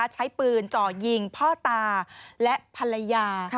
ใช้ปืนจ่อยิงพ่อตาและภรรยา